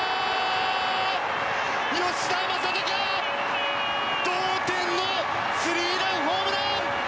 吉田正尚同点のスリーランホームラン！